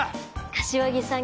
柏木さん